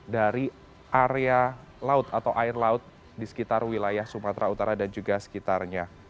dari area laut atau air laut di sekitar wilayah sumatera utara dan juga sekitarnya